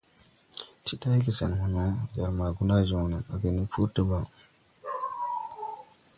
Ti tayge sen mo no, jar ma Goundaye joŋ wo nen áge ni puri debaŋ.